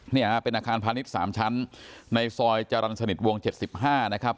เนี่ยฮะเป็นอาคารพาณิชย์๓ชั้นในซอยจรรย์สนิทวง๗๕นะครับ